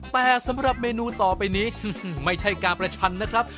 แต่สำหรับเมนูต่อไปนี้ไม่ใช่การประชันนะครับ